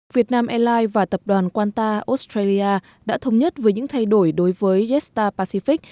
việt nam airlines và tập đoàn qanta australia đã thống nhất với những thay đổi đối với jetstar pacific